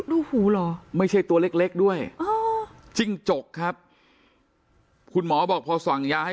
ดูหูเหรอไม่ใช่ตัวเล็กด้วยจิ้งจกครับคุณหมอบอกพอสั่งยาให้